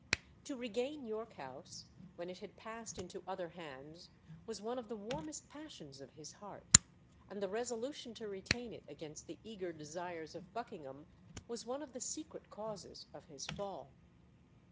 To regain York House, when it had passed into other hands, was one of the warmest passions of his heart, and the resolution to retain it against the eager desires of Buckingham was one of the secret causes of his fall."